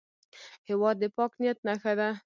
هېواد د پاک نیت نښه ده.